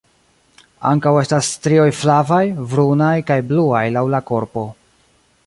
Ankaŭ estas strioj flavaj, brunaj kaj bluaj laŭ la korpo.